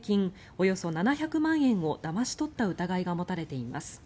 およそ７００万円をだまし取った疑いが持たれています。